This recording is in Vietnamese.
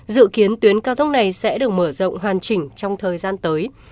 dự kiến tuyến cao tốc này sẽ được mở rộng hoàn chỉnh trong thời gian tới